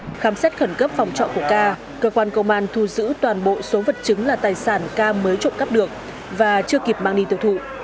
khi khám xét khẩn cấp phòng trọ của ca cơ quan công an thu giữ toàn bộ số vật chứng là tài sản ca mới trộm cắp được và chưa kịp mang đi tiêu thụ